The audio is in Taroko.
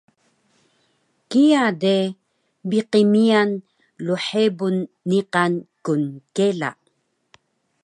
kiya de biqi miyan lhebun niqan knkela